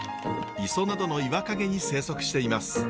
磯などの岩陰に生息しています。